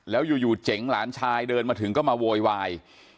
แล้วอยู่เจ๋งหลานชายเดินมาถึงก็มาโวยวาย